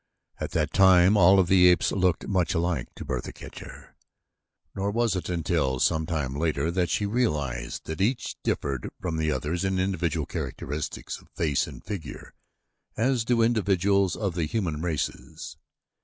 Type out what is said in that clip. At that time all of the apes looked much alike to Bertha Kircher, nor was it until some time later that she realized that each differed from the others in individual characteristics of face and figure as do individuals of the human races.